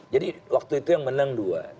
jadi waktu itu yang menang dua